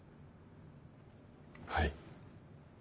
はい。